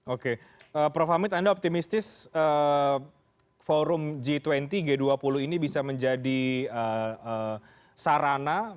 oke prof hamid anda optimistis forum g dua puluh ini bisa menjadi sarana